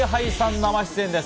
生出演です。